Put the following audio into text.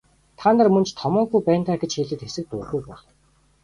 Та нар мөн ч томоогүй байна даа гэж хэлээд хэсэг дуугүй болов.